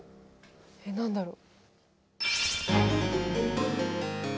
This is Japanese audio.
えっ何だろう。